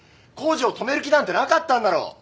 工事を止める気なんてなかったんだろ！？